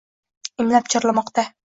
Imlab chorlamoqda